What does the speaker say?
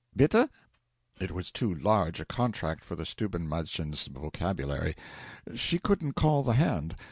'Bitte?' It was too large a contract for the Stubenmadchen's vocabulary; she couldn't call the hand.